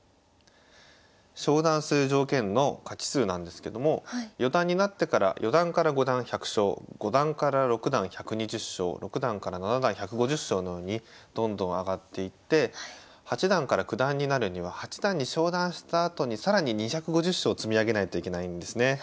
昇段する条件の勝ち数なんですけども四段になってから四段から五段１００勝五段から六段１２０勝六段から七段１５０勝のようにどんどん上がっていって八段から九段になるには八段に昇段したあとに更に２５０勝積み上げないといけないんですね。